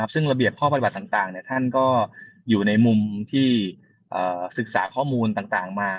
ซึ่งระเบียบข้อปฏิบัติต่างท่านก็อยู่ในมุมที่ศึกษาข้อมูลต่างมา